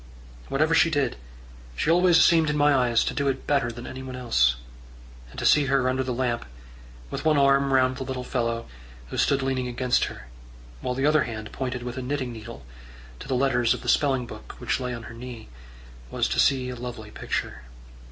Whatever she did, she always seemed in my eyes to do it better than anyone else; and to see her under the lamp, with one arm round the little fellow who stood leaning against her, while the other hand pointed with a knitting needle to the letters of the spelling book which lay on her knee, was to see a lovely picture.